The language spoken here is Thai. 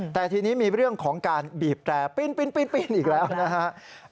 แต่ทีนี้มีเรื่องของการบีบแตรปีนอีกแล้วนะครับ